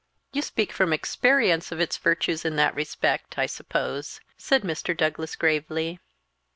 "You speak from experience of its virtues in that respect, I suppose?" said Mr. Douglas gravely.